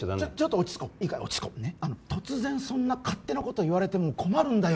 落ち着こういいから落ち着こう突然そんな勝手なこと言われても困るんだよ